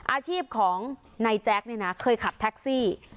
อาชีพของนายแจ๊คเนี่ยนะเคยขับแท็กซี่